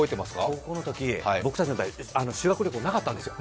高校のとき僕たちの代、修学旅行なかったんですよ。